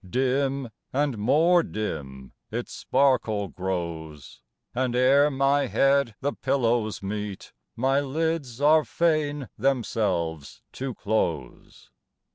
Dim and more dim its sparkle grows, And ere my head the pillows meet, My lids are fain themselves to close.